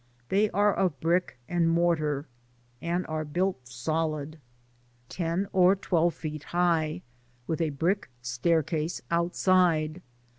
They are of brick and mortar, and are built solid, ten or twelve feet high, with a Imck staircase outside.